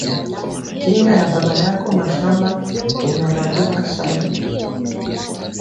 Kinga ya baba yaku mashamba inalabika sasa